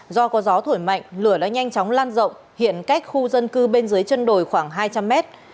do có gió thổi mạnh lửa đã nhanh chóng lan rộng hiện cách khu dân cư bên dưới chân đồi khoảng hai trăm linh mét